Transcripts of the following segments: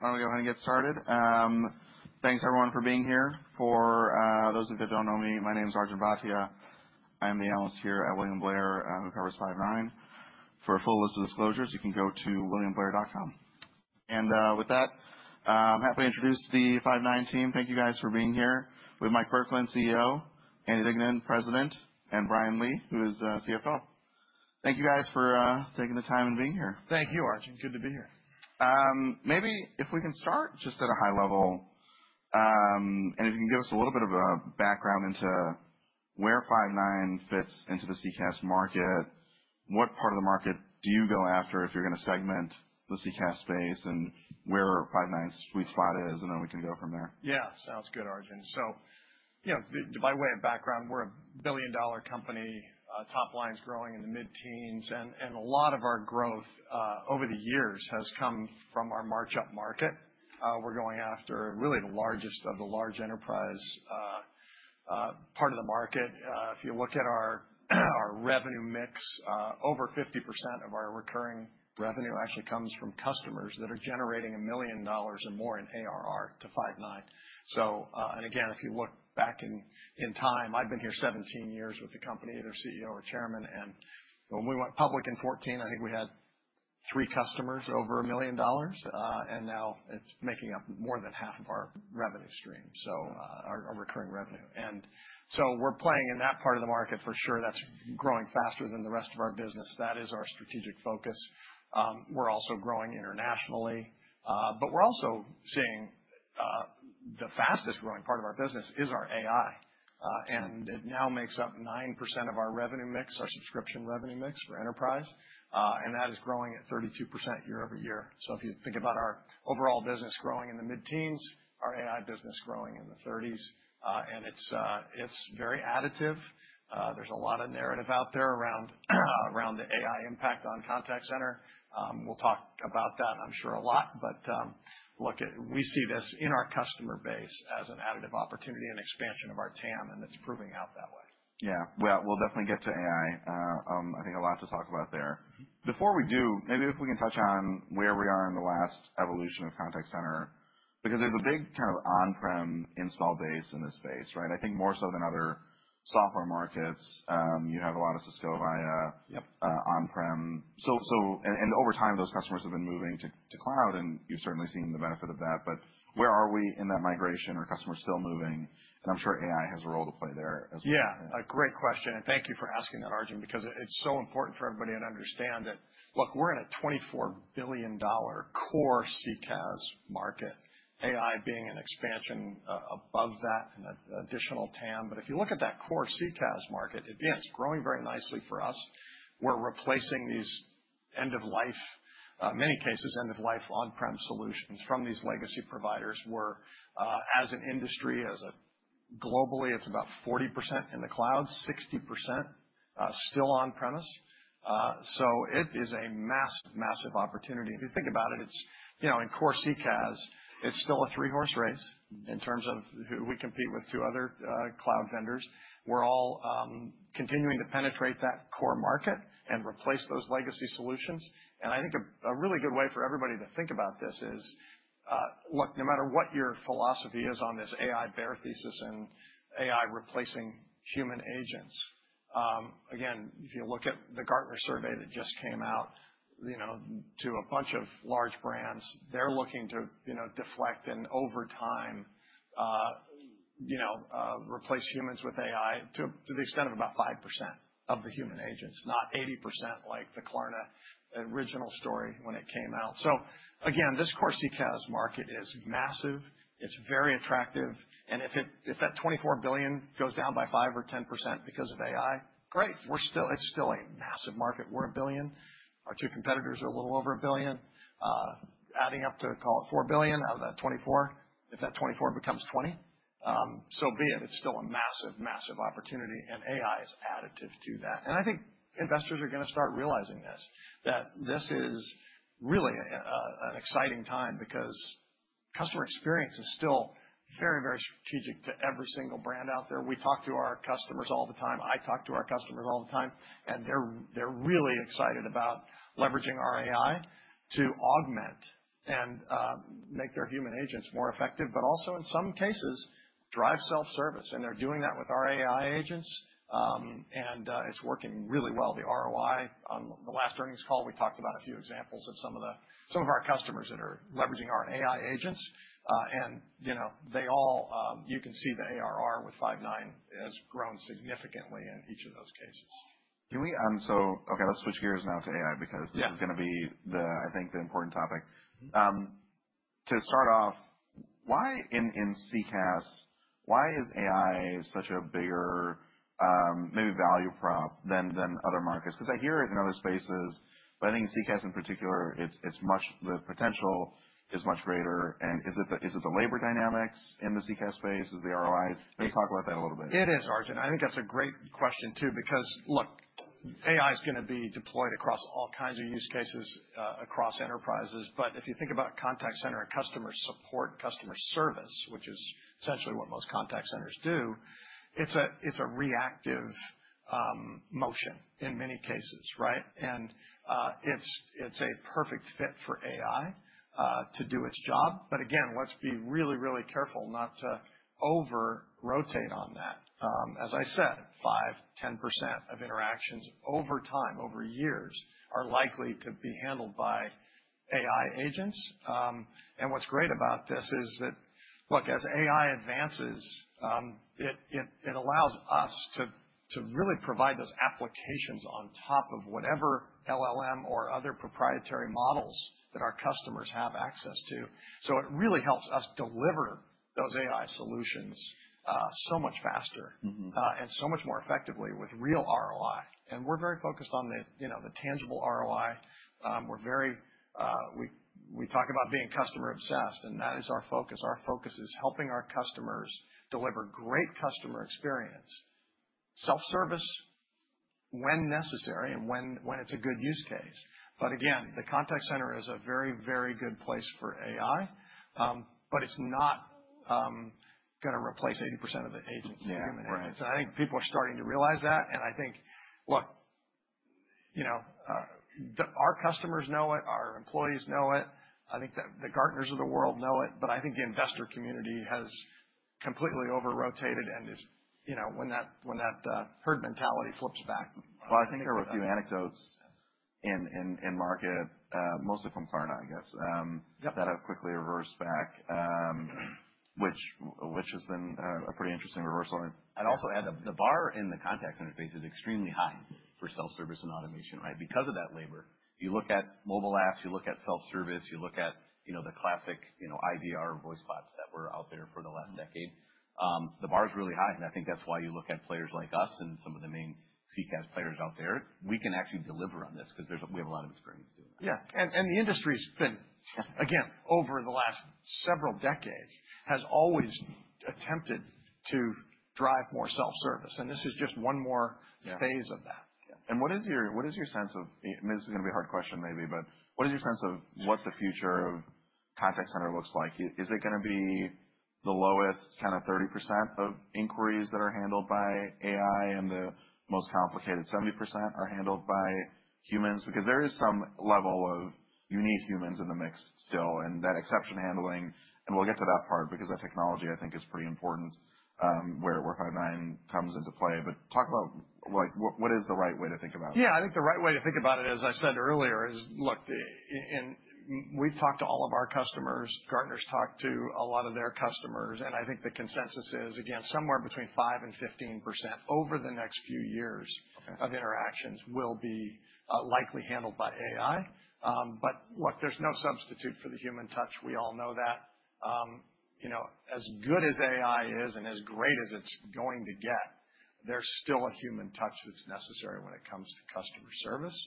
All right. Finally, go ahead and get started. Thanks everyone for being here. For those of you that do not know me, my name is Arjun Bhatia. I am the analyst here at William Blair, who covers Five9. For a full list of disclosures, you can go to williamblair.com. With that, I am happy to introduce the Five9 team. Thank you, guys, for being here. We have Mike Burkland, CEO, Andy Dignan, President, and Bryan Lee, who is CFO. Thank you, guys, for taking the time and being here. Thank you, Arjun. Good to be here. Maybe if we can start just at a high level, and if you can give us a little bit of a background into where Five9 fits into the CCaaS market, what part of the market do you go after if you're gonna segment the CCaaS space, and where Five9's sweet spot is, and then we can go from there. Yeah. Sounds good, Arjun. So, you know, by way of background, we're a billion-dollar company, top line's growing in the mid-teens, and a lot of our growth over the years has come from our march up market. We're going after really the largest of the large enterprise part of the market. If you look at our revenue mix, over 50% of our recurring revenue actually comes from customers that are generating a million dollars or more in ARR to Five9. If you look back in time, I've been here 17 years with the company, either CEO or chairman, and when we went public in 2014, I think we had three customers over a million dollars. Now it's making up more than half of our revenue stream, our recurring revenue. We're playing in that part of the market for sure. That's growing faster than the rest of our business. That is our strategic focus. We're also growing internationally, but we're also seeing the fastest growing part of our business is our AI, and it now makes up 9% of our revenue mix, our subscription revenue mix for enterprise, and that is growing at 32% year over year. If you think about our overall business growing in the mid-teens, our AI business growing in the 30s, and it's very additive. There's a lot of narrative out there around the AI impact on contact center. We'll talk about that, I'm sure, a lot, but look, we see this in our customer base as an additive opportunity and expansion of our TAM, and it's proving out that way. Yeah. We'll definitely get to AI. I think a lot to talk about there. Before we do, maybe if we can touch on where we are in the last evolution of contact center, because there's a big kind of on-prem install base in this space, right? I think more so than other software markets, you have a lot of Cisco, Avaya. Yep. On-prem. And over time, those customers have been moving to cloud, and you've certainly seen the benefit of that. But where are we in that migration? Are customers still moving? And I'm sure AI has a role to play there as well. Yeah. A great question. Thank you for asking that, Arjun, because it's so important for everybody to understand that, look, we're in a $24 billion core CCaaS market, AI being an expansion above that and an additional TAM. If you look at that core CCaaS market, again, it's growing very nicely for us. We're replacing these end-of-life, in many cases, end-of-life on-prem solutions from these legacy providers where, as an industry, globally, it's about 40% in the cloud, 60% still on-premise. It is a massive, massive opportunity. If you think about it, in core CCaaS, it's still a three-horse race in terms of who we compete with, two other cloud vendors. We're all continuing to penetrate that core market and replace those legacy solutions. I think a really good way for everybody to think about this is, look, no matter what your philosophy is on this AI bear thesis and AI replacing human agents, again, if you look at the Gartner survey that just came out, you know, to a bunch of large brands, they're looking to, you know, deflect and over time, you know, replace humans with AI to the extent of about 5% of the human agents, not 80% like the Klarna original story when it came out. Again, this core CCaaS market is massive. It's very attractive. If that $24 billion goes down by 5% or 10% because of AI, great. We're still, it's still a massive market. We're a billion. Our two competitors are a little over a billion, adding up to, call it $4 billion out of that $24 billion. If that 24 becomes 20, so be it. It's still a massive, massive opportunity, and AI is additive to that. I think investors are gonna start realizing this, that this is really an exciting time because customer experience is still very, very strategic to every single brand out there. We talk to our customers all the time. I talk to our customers all the time, and they're really excited about leveraging our AI to augment and make their human agents more effective, but also in some cases, drive self-service. They're doing that with our AI agents, and it's working really well. The ROI on the last earnings call, we talked about a few examples of some of our customers that are leveraging our AI agents. and, you know, they all, you can see the ARR with Five9 has grown significantly in each of those cases. Can we, so okay, let's switch gears now to AI because this is gonna be the, I think, the important topic. To start off, why in, in CCaaS, why is AI such a bigger, maybe value prop than, than other markets? 'Cause I hear it in other spaces, but I think in CCaaS in particular, it's, it's much, the potential is much greater. And is it the, is it the labor dynamics in the CCaaS space? Is it the ROI? Let's talk about that a little bit. It is, Arjun. I think that's a great question too because, look, AI's gonna be deployed across all kinds of use cases, across enterprises. If you think about contact center and customer support, customer service, which is essentially what most contact centers do, it's a reactive motion in many cases, right? It's a perfect fit for AI to do its job. Again, let's be really, really careful not to over-rotate on that. As I said, 5-10% of interactions over time, over years, are likely to be handled by AI agents. What's great about this is that, look, as AI advances, it allows us to really provide those applications on top of whatever LLM or other proprietary models that our customers have access to. It really helps us deliver those AI solutions so much faster. Mm-hmm. and so much more effectively with real ROI. And we're very focused on the, you know, the tangible ROI. We're very, we talk about being customer-obsessed, and that is our focus. Our focus is helping our customers deliver great customer experience, self-service when necessary and when, when it's a good use case. Again, the contact center is a very, very good place for AI. but it's not gonna replace 80% of the agents. Yeah. Right. Human agents. I think people are starting to realize that. I think, look, you know, our customers know it. Our employees know it. I think that the Gartners of the world know it. I think the investor community has completely over-rotated and is, you know, when that herd mentality flips back. I think there were a few anecdotes in market, mostly from Klarna, I guess, Yep. That have quickly reversed back, which has been a pretty interesting reversal. I'd also add that the bar in the contact center space is extremely high for self-service and automation, right? Because of that labor. You look at mobile apps, you look at self-service, you look at, you know, the classic, you know, IVR voice bots that were out there for the last decade. The bar's really high. I think that's why you look at players like us and some of the main CCaaS players out there. We can actually deliver on this 'cause there's, we have a lot of experience doing that. Yeah. The industry's been, again, over the last several decades, has always attempted to drive more self-service. This is just one more. Yeah. phase of that. Yeah. What is your, what is your sense of, this is gonna be a hard question maybe, but what is your sense of what the future of contact center looks like? Is it gonna be the lowest kind of 30% of inquiries that are handled by AI and the most complicated 70% are handled by humans? There is some level of you need humans in the mix still and that exception handling. We'll get to that part because that technology, I think, is pretty important, where Five9 comes into play. Talk about, like, what is the right way to think about it? Yeah. I think the right way to think about it, as I said earlier, is, look, in we've talked to all of our customers. Gartner's talked to a lot of their customers. I think the consensus is, again, somewhere between 5% and 15% over the next few years. Okay. Of interactions will be, likely handled by AI. Look, there's no substitute for the human touch. We all know that. You know, as good as AI is and as great as it's going to get, there's still a human touch that's necessary when it comes to customer service.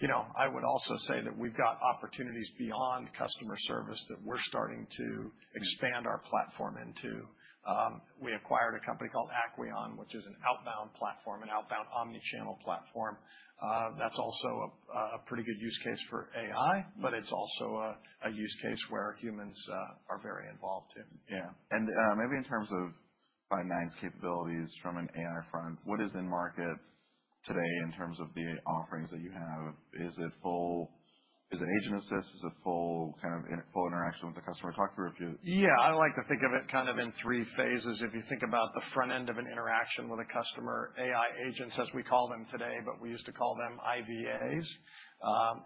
You know, I would also say that we've got opportunities beyond customer service that we're starting to expand our platform into. We acquired a company called Aquion, which is an outbound omnichannel platform. That's also a pretty good use case for AI, but it's also a use case where humans are very involved too. Yeah. Maybe in terms of Five9's capabilities from an AI front, what is in market today in terms of the offerings that you have? Is it full, is it Agent Assist? Is it full kind of in full interaction with the customer? Talk through a few. Yeah. I like to think of it kind of in three phases. If you think about the front end of an interaction with a customer, AI agents, as we call them today, but we used to call them IVAs,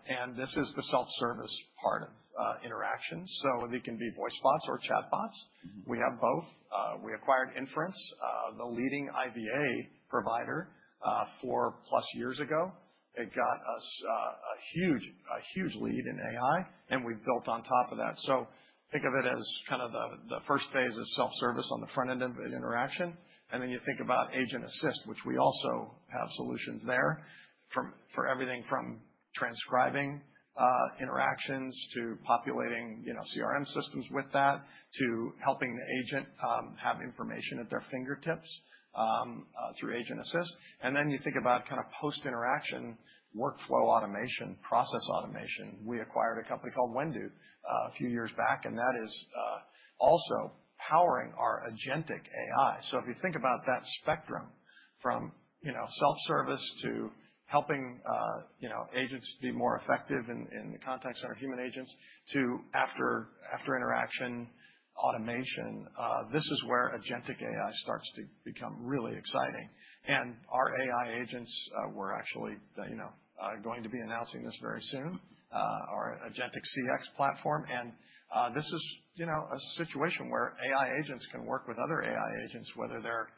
and this is the self-service part of interaction. So they can be voice bots or chat bots. Mm-hmm. We have both. We acquired Inference, the leading IVA provider, four-plus years ago. It got us a huge, a huge lead in AI, and we've built on top of that. Think of it as kind of the first phase of self-service on the front end of the interaction. You think about Agent Assist, which we also have solutions there for everything from transcribing interactions to populating, you know, CRM systems with that to helping the agent have information at their fingertips through Agent Assist. You think about kind of post-interaction workflow automation, process automation. We acquired a company called Wendo a few years back, and that is also powering our agentic AI. If you think about that spectrum from, you know, self-service to helping, you know, agents be more effective in the contact center, human agents to after, after interaction automation, this is where agentic AI starts to become really exciting. And our AI agents, we're actually, you know, going to be announcing this very soon, our agentic CX platform. This is, you know, a situation where AI agents can work with other AI agents, whether they're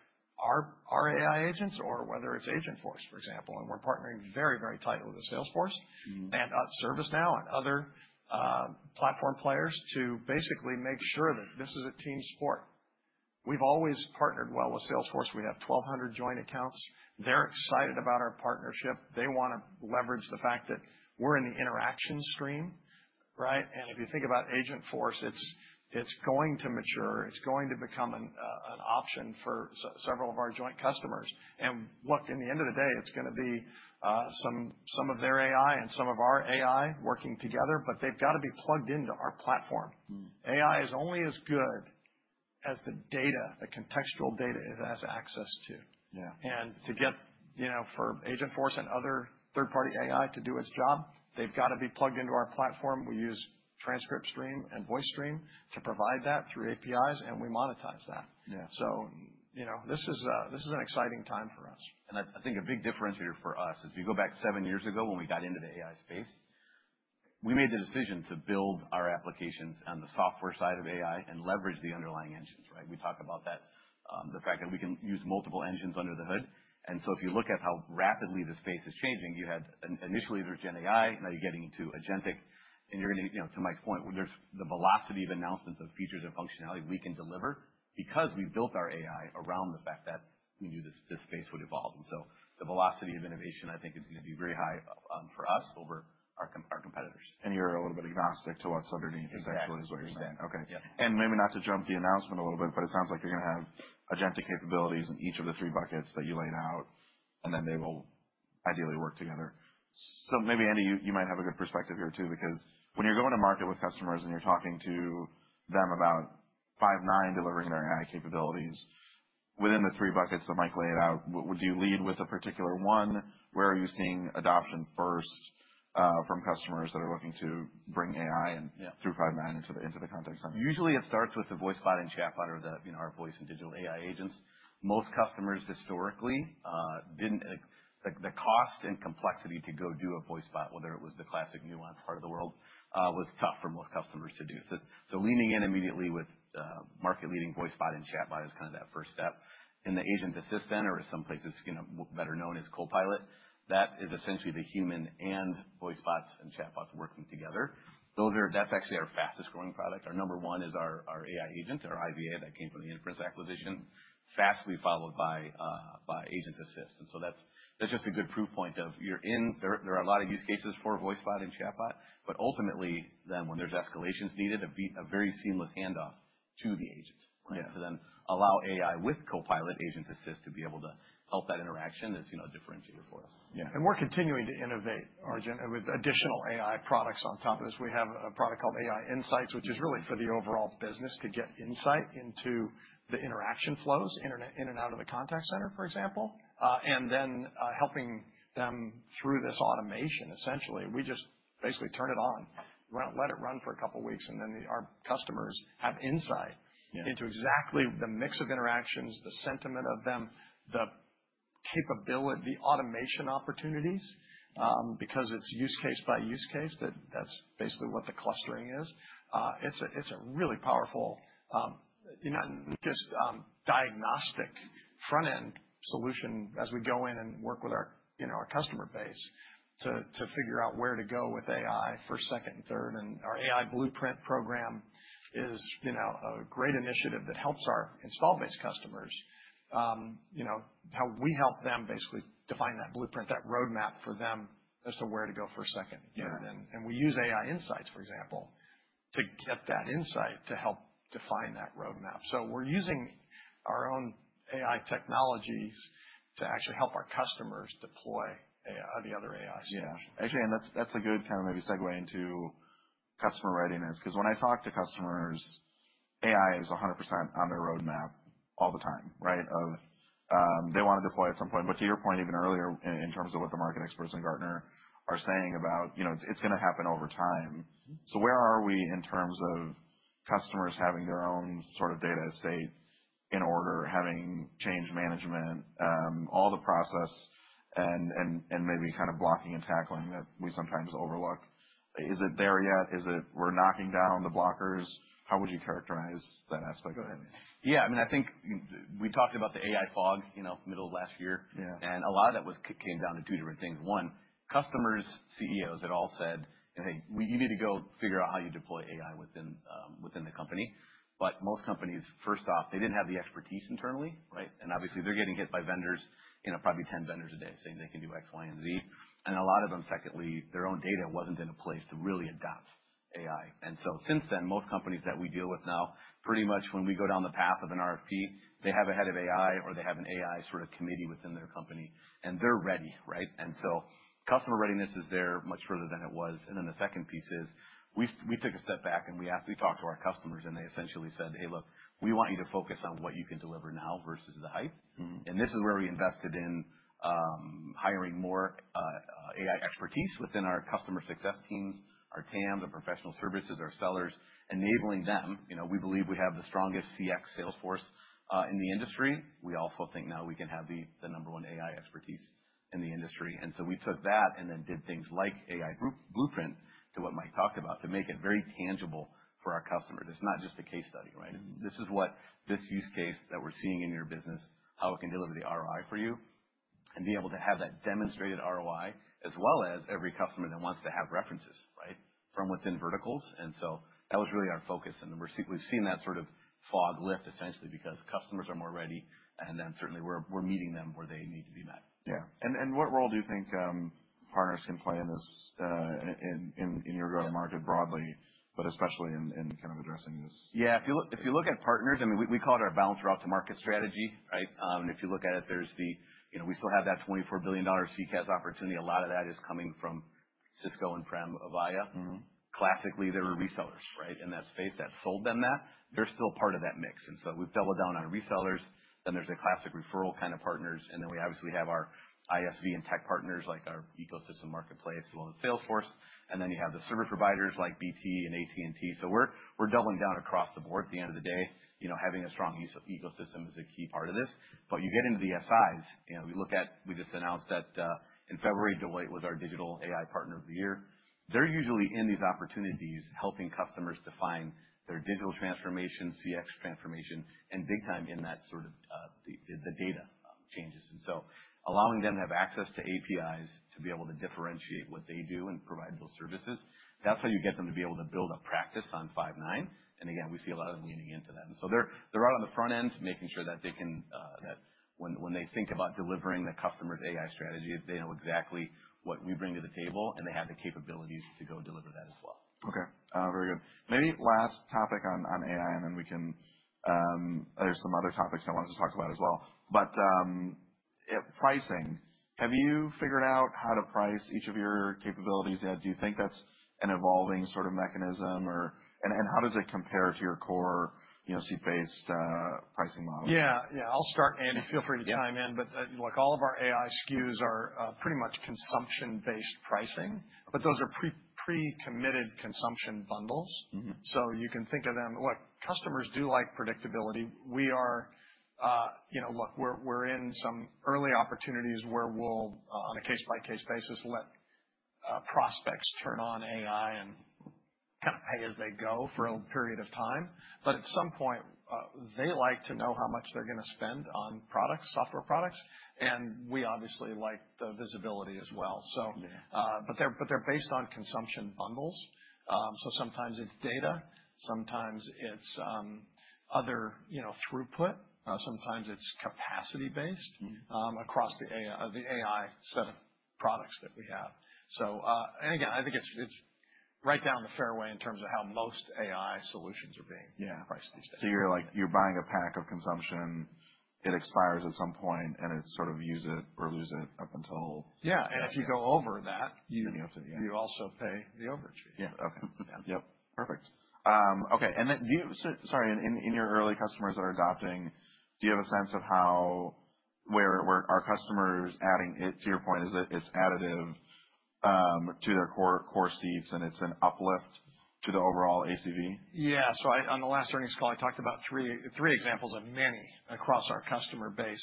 our AI agents or whether it's Agentforce, for example. We're partnering very, very tightly with Salesforce. Mm-hmm. ServiceNow and other platform players to basically make sure that this is a team sport. We've always partnered well with Salesforce. We have 1,200 joint accounts. They're excited about our partnership. They wanna leverage the fact that we're in the interaction stream, right? And if you think about Agentforce, it's going to mature. It's going to become an option for several of our joint customers. Look, in the end of the day, it's gonna be some of their AI and some of our AI working together, but they've gotta be plugged into our platform. Mm-hmm. AI is only as good as the data, the contextual data it has access to. Yeah. To get, you know, for Agentforce and other third-party AI to do its job, they've gotta be plugged into our platform. We use TranscriptStream and VoiceStream to provide that through APIs, and we monetize that. Yeah. You know, this is a, this is an exciting time for us. I think a big differentiator for us is if you go back seven years ago when we got into the AI space, we made the decision to build our applications on the software side of AI and leverage the underlying engines, right? We talk about that, the fact that we can use multiple engines under the hood. If you look at how rapidly the space is changing, you had initially there's GenAI, now you're getting into agentic. You're gonna, you know, to Mike's point, there's the velocity of announcements of features and functionality we can deliver because we've built our AI around the fact that we knew this space would evolve. The velocity of innovation, I think, is gonna be very high for us over our competitors. You're a little bit agnostic to what's underneath. Exactly. Is actually what you're saying, okay. Yeah. Maybe not to jump the announcement a little bit, but it sounds like you're gonna have agentic capabilities in each of the three buckets that you laid out, and then they will ideally work together. Maybe, Andy, you might have a good perspective here too because when you're going to market with customers and you're talking to them about Five9 delivering their AI capabilities within the three buckets that Mike laid out, do you lead with a particular one? Where are you seeing adoption first, from customers that are looking to bring AI in. Yeah. Through Five9 into the, into the contact center? Usually it starts with the voice bot and chat bot or the, you know, our voice and digital AI agents. Most customers historically didn't like the cost and complexity to go do a voice bot, whether it was the classic Nuance part of the world, was tough for most customers to do. Leaning in immediately with market-leading voice bot and chat bot is kind of that first step. In the Agent Assist center, or some places, you know, better known as Copilot, that is essentially the human and voice bots and chat bots working together. That's actually our fastest-growing product. Our number one is our AI agent, our IVA that came from the Inference acquisition, fastly followed by Agent Assist. That's just a good proof point of you're in, there are a lot of use cases for voice bot and chat bot, but ultimately then when there's escalations needed, a be a very seamless handoff to the agent. Right. Yeah. To then allow AI with Copilot, Agent Assist to be able to help that interaction is, you know, a differentiator for us. Yeah. We're continuing to innovate, Arjun, with additional AI products on top of this. We have a product called AI Insights, which is really for the overall business to get insight into the interaction flows in and out of the contact center, for example, and then, helping them through this automation, essentially. We just basically turn it on, run it, let it run for a couple weeks, and then our customers have insight. Yeah. Into exactly the mix of interactions, the sentiment of them, the capability, the automation opportunities, because it's use case by use case. That's basically what the clustering is. It's a really powerful, you know, just diagnostic front-end solution as we go in and work with our, you know, our customer base to figure out where to go with AI for second and third. And our AI Blueprint program is, you know, a great initiative that helps our install-based customers, you know, how we help them basically define that blueprint, that roadmap for them as to where to go for second. Yeah. We use AI Insights, for example, to get that insight to help define that roadmap. So we're using our own AI technologies to actually help our customers deploy AI, the other AI solutions. Yeah. Actually, and that's, that's a good kind of maybe segue into customer readiness. 'Cause when I talk to customers, AI is 100% on their roadmap all the time, right? Of, they wanna deploy at some point. But to your point, even earlier, in, in terms of what the market experts and Gartner are saying about, you know, it's, it's gonna happen over time. Mm-hmm. Where are we in terms of customers having their own sort of data estate in order, having change management, all the process and, and maybe kind of blocking and tackling that we sometimes overlook? Is it there yet? Is it, we're knocking down the blockers? How would you characterize that aspect of it? Yeah. I mean, I think we talked about the AI fog, you know, middle of last year. Yeah. A lot of that came down to two different things. One, customers, CEOs had all said, "Hey, we, you need to go figure out how you deploy AI within, within the company." Most companies, first off, they didn't have the expertise internally, right? Obviously they're getting hit by vendors, you know, probably 10 vendors a day saying they can do X, Y, and Z. A lot of them, secondly, their own data wasn't in a place to really adopt AI. Since then, most companies that we deal with now, pretty much when we go down the path of an RFP, they have a head of AI or they have an AI sort of committee within their company, and they're ready, right? Customer readiness is there much further than it was. The second piece is we took a step back and we asked, we talked to our customers, and they essentially said, "Hey, look, we want you to focus on what you can deliver now versus the hype. Mm-hmm. This is where we invested in hiring more AI expertise within our customer success teams, our TAMs, our professional services, our sellers, enabling them. You know, we believe we have the strongest CX Salesforce in the industry. We also think now we can have the number one AI expertise in the industry. We took that and then did things like AI Blueprint to what Mike talked about to make it very tangible for our customers. It's not just a case study, right? Mm-hmm. This is what this use case that we're seeing in your business, how it can deliver the ROI for you and be able to have that demonstrated ROI as well as every customer that wants to have references, right, from within verticals. That was really our focus. We've seen that sort of fog lift essentially because customers are more ready, and then certainly we're meeting them where they need to be met. Yeah. And what role do you think partners can play in this, in your go-to-market broadly, but especially in kind of addressing this? Yeah. If you look at partners, I mean, we call it our balanced route to market strategy, right? If you look at it, there's the, you know, we still have that $24 billion CCaaS opportunity. A lot of that is coming from Cisco and on-prem Avaya. Mm-hmm. Classically, there were resellers, right, in that space that sold them that. They're still part of that mix. We've doubled down on resellers. There's the classic referral kind of partners. We obviously have our ISV and tech partners like our ecosystem marketplace, as well as Salesforce. You have the service providers like BT and AT&T. We're doubling down across the board. At the end of the day, you know, having a strong ecosystem is a key part of this. You get into the SIs, you know, we look at, we just announced that, in February, Deloitte was our digital AI partner of the year. They're usually in these opportunities helping customers define their digital transformation, CX transformation, and big time in that sort of, the data, changes. Allowing them to have access to APIs to be able to differentiate what they do and provide those services, that's how you get them to be able to build a practice on Five9. We see a lot of them leaning into that. They're out on the front end making sure that when they think about delivering the customer's AI strategy, they know exactly what we bring to the table, and they have the capabilities to go deliver that as well. Okay. Very good. Maybe last topic on AI, and then we can, there's some other topics I wanted to talk about as well. But, pricing. Have you figured out how to price each of your capabilities yet? Do you think that's an evolving sort of mechanism, or, and, and how does it compare to your core, you know, seat-based pricing model? Yeah. Yeah. I'll start, Andy. Feel free to chime in. Yeah. Look, all of our AI SKUs are pretty much consumption-based pricing, but those are pre-pre-committed consumption bundles. Mm-hmm. You can think of them, look, customers do like predictability. We are, you know, we're in some early opportunities where we'll, on a case-by-case basis, let prospects turn on AI and kind of pay as they go for a period of time. At some point, they like to know how much they're gonna spend on products, software products. We obviously like the visibility as well. Yeah. They're based on consumption bundles. Sometimes it's data, sometimes it's other, you know, throughput. Sometimes it's capacity-based. Mm-hmm. across the AI, the AI set of products that we have. I think it's, it's right down the fairway in terms of how most AI solutions are being priced these days. Yeah. So you're like, you're buying a pack of consumption, it expires at some point, and it's sort of use it or lose it up until the end. Yeah. If you go over that, you. You have to, yeah. You also pay the overage fee. Yeah. Okay. Yeah. Yep. Perfect. Okay. In your early customers that are adopting, do you have a sense of how, where are customers adding it? To your point, is it additive to their core seats, and it's an uplift to the overall ACV? Yeah. I, on the last earnings call, talked about three examples of many across our customer base.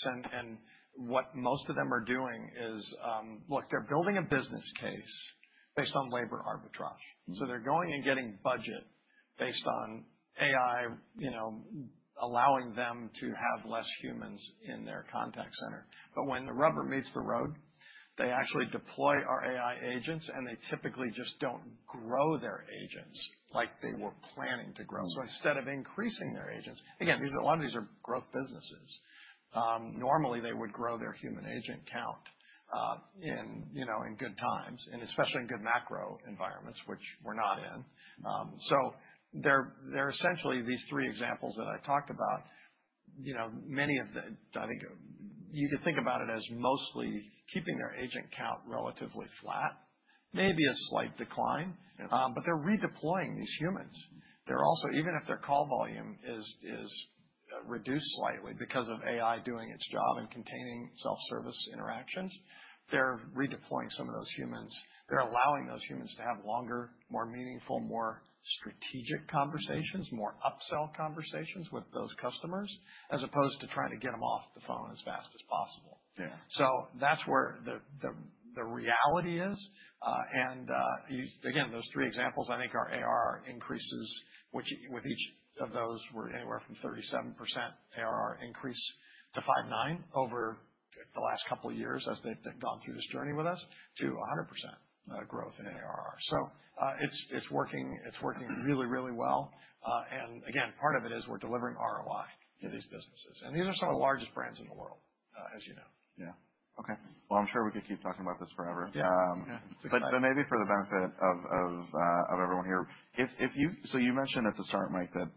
What most of them are doing is, look, they're building a business case based on labor arbitrage. Mm-hmm. They're going and getting budget based on AI, you know, allowing them to have less humans in their contact center. When the rubber meets the road, they actually deploy our AI agents, and they typically just don't grow their agents like they were planning to grow. Mm-hmm. Instead of increasing their agents, again, these are, a lot of these are growth businesses. Normally they would grow their human agent count, you know, in good times, and especially in good macro environments, which we're not in. They're essentially, these three examples that I talked about, you know, many of the, I think you could think about it as mostly keeping their agent count relatively flat, maybe a slight decline. Yeah. They're redeploying these humans. They're also, even if their call volume is reduced slightly because of AI doing its job and containing self-service interactions, they're redeploying some of those humans. They're allowing those humans to have longer, more meaningful, more strategic conversations, more upsell conversations with those customers as opposed to trying to get them off the phone as fast as possible. Yeah. That's where the reality is. You know, those three examples, I think our ARR increases with each of those. We're anywhere from 37% ARR increase to Five9 over the last couple of years as they've gone through this journey with us to 100% growth in ARR. It's working, it's working really, really well. Again, part of it is we're delivering ROI to these businesses. These are some of the largest brands in the world, as you know. Yeah. Okay. I'm sure we could keep talking about this forever. Yeah. Maybe for the benefit of everyone here, if you, so you mentioned at the start, Mike, that,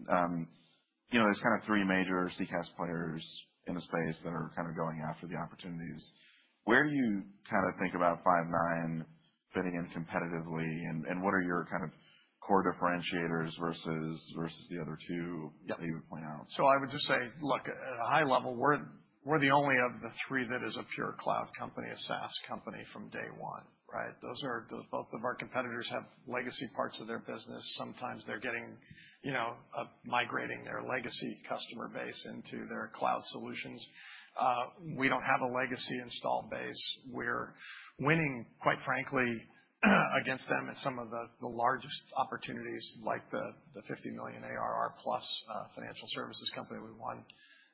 you know, there's kind of three major CCaaS players in the space that are kind of going after the opportunities. Where do you kind of think about Five9 fitting in competitively? And what are your kind of core differentiators versus the other two that you would point out? Yeah. I would just say, look, at a high level, we're the only of the three that is a pure cloud company, a SaaS company from day one, right? Both of our competitors have legacy parts of their business. Sometimes they're migrating their legacy customer base into their cloud solutions. We don't have a legacy install base. We're winning, quite frankly, against them in some of the largest opportunities like the $50 million ARR plus financial services company we won.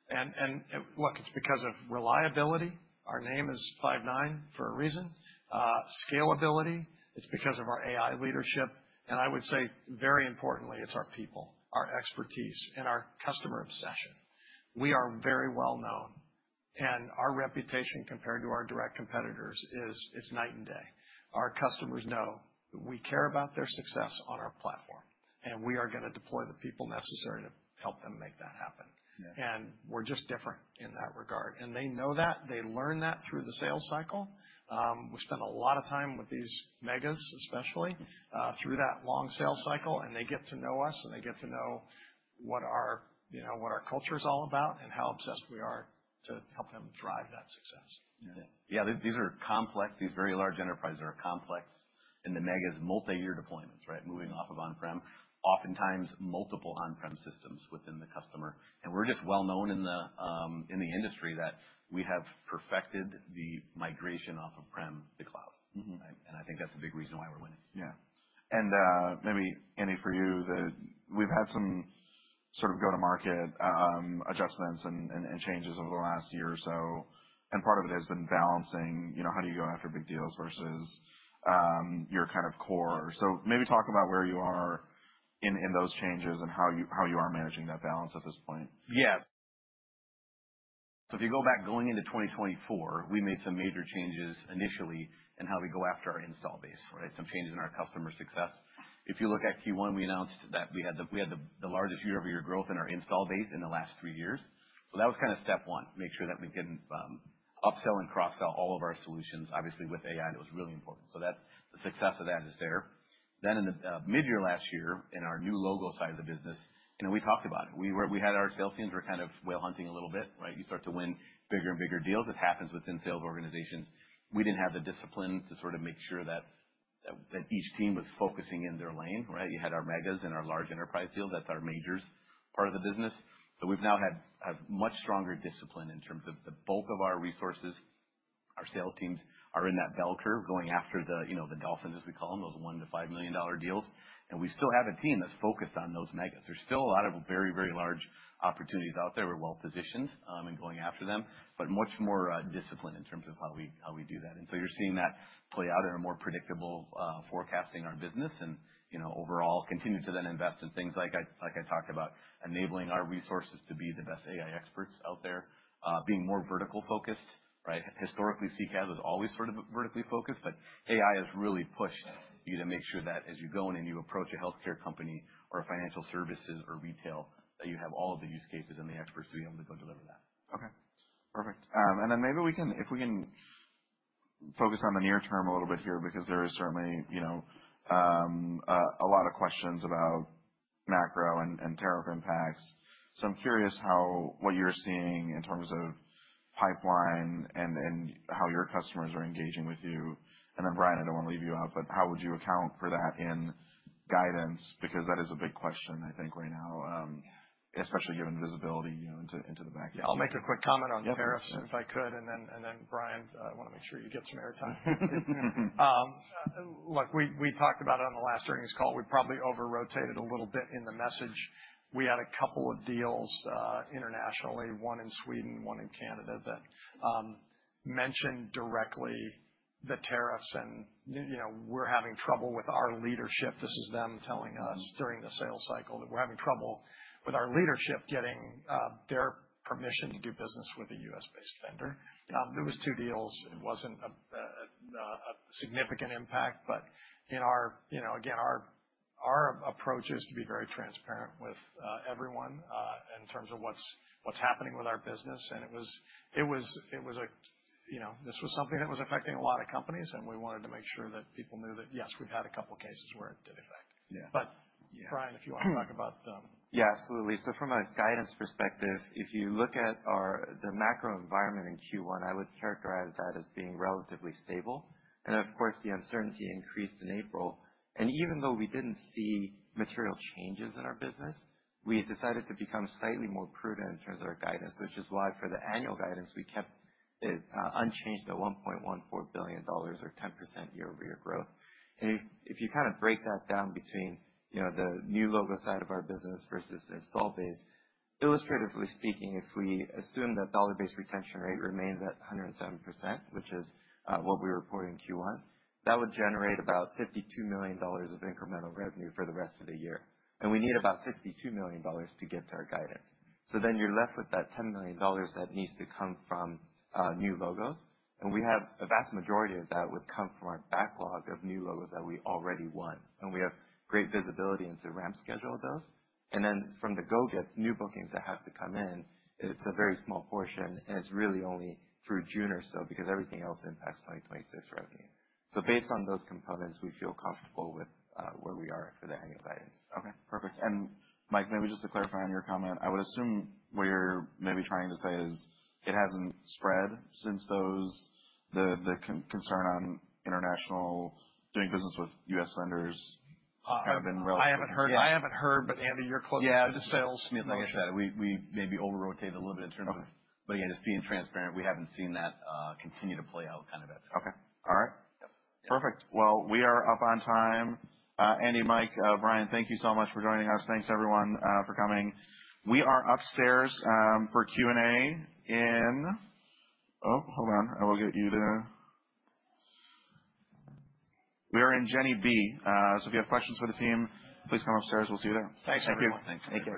It's because of reliability. Our name is Five9 for a reason. Scalability, it's because of our AI leadership. I would say, very importantly, it's our people, our expertise, and our customer obsession. We are very well known, and our reputation compared to our direct competitors is, it's night and day. Our customers know we care about their success on our platform, and we are gonna deploy the people necessary to help them make that happen. Yeah. We're just different in that regard. They know that. They learn that through the sales cycle. We spend a lot of time with these megas, especially, through that long sales cycle, and they get to know us, and they get to know what our, you know, what our culture's all about and how obsessed we are to help them drive that success. Yeah. These are complex. These very large enterprises are complex. And the mega's multi-year deployments, right? Mm-hmm. Moving off of on-prem, oftentimes multiple on-prem systems within the customer. We are just well known in the industry that we have perfected the migration off of Prem to Cloud. Mm-hmm. Right? I think that's a big reason why we're winning. Yeah. Maybe, Andy, for you, we've had some sort of go-to-market adjustments and changes over the last year or so. Part of it has been balancing, you know, how do you go after big deals versus your kind of core. Maybe talk about where you are in those changes and how you are managing that balance at this point. Yeah. If you go back going into 2024, we made some major changes initially in how we go after our install base, right? Some changes in our customer success. If you look at Q1, we announced that we had the largest year-over-year growth in our install base in the last three years. That was kind of step one, make sure that we can upsell and cross-sell all of our solutions, obviously with AI, and it was really important. The success of that is there. In the mid-year last year in our new logo side of the business, you know, we talked about it. We had our sales teams were kind of whale hunting a little bit, right? You start to win bigger and bigger deals. It happens within sales organizations. We didn't have the discipline to sort of make sure that each team was focusing in their lane, right? You had our megas and our large enterprise deals. That's our major's part of the business. So we've now had much stronger discipline in terms of the bulk of our resources. Our sales teams are in that bell curve going after the, you know, the dolphins, as we call them, those $1 million-$5 million deals. And we still have a team that's focused on those megas. There's still a lot of very, very large opportunities out there. We're well positioned, in going after them, but much more discipline in terms of how we, how we do that. You are seeing that play out in a more predictable, forecasting our business and, you know, overall continue to then invest in things like, like, I talked about enabling our resources to be the best AI experts out there, being more vertical focused, right? Historically, CCaaS was always sort of vertically focused, but AI has really pushed you to make sure that as you go in and you approach a healthcare company or a financial services or retail, that you have all of the use cases and the experts to be able to go deliver that. Okay. Perfect. And then maybe we can, if we can focus on the near term a little bit here because there is certainly, you know, a lot of questions about macro and tariff impacts. So I'm curious how what you're seeing in terms of pipeline and how your customers are engaging with you. And then Bryan, I don't wanna leave you out, but how would you account for that in guidance? Because that is a big question, I think, right now, especially given visibility, you know, into the back end. Yeah. I'll make a quick comment on tariffs if I could. Yeah. Bryan, I wanna make sure you get some airtime. Look, we talked about it on the last earnings call. We probably over-rotated a little bit in the message. We had a couple of deals internationally, one in Sweden, one in Canada, that mentioned directly the tariffs and, you know, we're having trouble with our leadership. This is them telling us during the sales cycle that we're having trouble with our leadership getting their permission to do business with a US-based vendor. It was two deals. It wasn't a significant impact, but in our, you know, again, our approach is to be very transparent with everyone in terms of what's happening with our business. It was, you know, this was something that was affecting a lot of companies, and we wanted to make sure that people knew that, yes, we've had a couple of cases where it did affect. Yeah. But. Yeah. Bryan, if you wanna talk about, Yeah. Absolutely. From a guidance perspective, if you look at the macro environment in Q1, I would characterize that as being relatively stable. Of course, the uncertainty increased in April. Even though we did not see material changes in our business, we decided to become slightly more prudent in terms of our guidance, which is why for the annual guidance, we kept it unchanged at $1.14 billion or 10% year-over-year growth. If you kind of break that down between, you know, the new logo side of our business versus the install base, illustratively speaking, if we assume that dollar-based retention rate remains at 107%, which is what we report in Q1, that would generate about $52 million of incremental revenue for the rest of the year. We need about $52 million to get to our guidance. You're left with that $10 million that needs to come from new logos. We have a vast majority of that coming from our backlog of new logos that we already won. We have great visibility into the ramp schedule of those. From the go gets, new bookings that have to come in, it's a very small portion, and it's really only through June or so because everything else impacts 2026 revenue. Based on those components, we feel comfortable with where we are for the annual guidance. Okay. Perfect. Mike, maybe just to clarify on your comment, I would assume what you're maybe trying to say is it hasn't spread since the concern on international doing business with US vendors. I haven't heard. Kind of been relatively quiet. I haven't heard, but Andy, you're closer to the sales. Yeah. Like I said, we maybe over-rotated a little bit in terms of. Okay. Again, just being transparent, we haven't seen that continue to play out kind of at times. Okay. All right. Yep. Perfect. We are up on time. Andy, Mike, Bryan, thank you so much for joining us. Thanks, everyone, for coming. We are upstairs for Q&A in, oh, hold on. I will get you to we are in Jenny B. If you have questions for the team, please come upstairs. We'll see you there. Thanks, everyone. Thank you. Thank you.